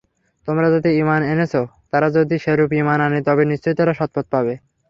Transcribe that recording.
তোমরা যাতে ঈমান এনেছ তারা যদি সেরূপ ঈমান আনে তবে নিশ্চয় তারা সৎপথ পাবে।